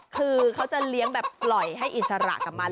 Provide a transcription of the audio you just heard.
คือเขาจะเลี้ยงแบบปล่อยให้อิสระกับมัน